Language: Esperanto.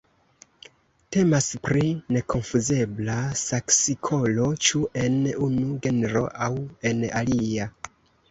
Temas pri nekonfuzebla saksikolo ĉu en unu genro aŭ en alia.